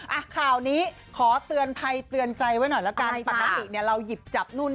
อ่ะข้าวนี้ขอเตือนภัยเตือนใจไว้หน่อยล่ะกับ